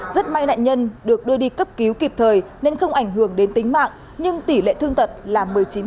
rất may nạn nhân được đưa đi cấp cứu kịp thời nên không ảnh hưởng đến tính mạng nhưng tỷ lệ thương tật là một mươi chín